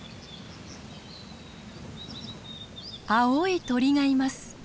青い鳥がいます。